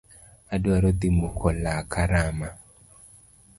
Adwaro dhi muko laka rama.